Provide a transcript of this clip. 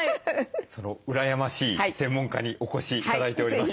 その羨ましい専門家にお越し頂いております。